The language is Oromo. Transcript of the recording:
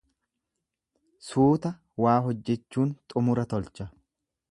Suuta waa hojjechuun xumura tolcha.